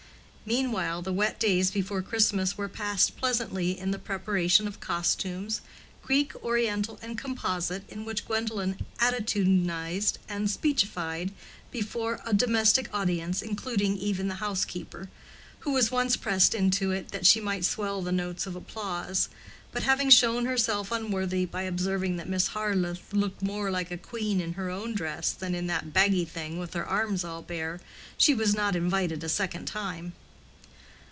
Meanwhile the wet days before Christmas were passed pleasantly in the preparation of costumes, Greek, Oriental, and Composite, in which Gwendolen attitudinized and speechified before a domestic audience, including even the housekeeper, who was once pressed into it that she might swell the notes of applause; but having shown herself unworthy by observing that Miss Harleth looked far more like a queen in her own dress than in that baggy thing with her arms all bare, she was not invited a second time.